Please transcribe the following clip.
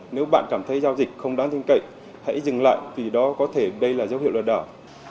nếu bạn cảm thấy giao dịch không đáng tin cậy hãy dừng lại vì đó có thể đây là dấu hiệu lừa đảo